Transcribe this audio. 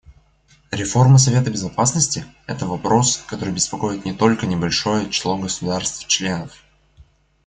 Реформа Совета Безопасности — это вопрос, который беспокоит не только небольшое число государств-членов.